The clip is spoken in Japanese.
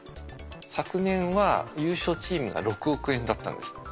昨年は優勝チームが６億円だったんです。